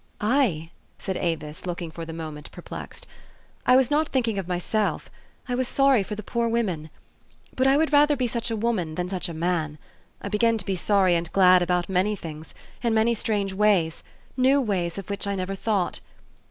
"I?" said Avis, looking for the moment per plexed. "I was not thinking of myself. I was sorry for the poor women. But I would rather be such a woman than such a man. I begin to be sorry and glad about many things, in many strange ways, new ways of which I never thought.